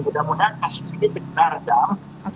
mudah mudahan kasus ini segera redam